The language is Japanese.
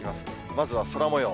まずは空もよう。